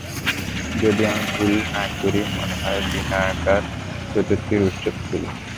যদি আমি ভূল না করি, মনে হয় ভিনয়কার চতুর্থীর উৎসব ছিল।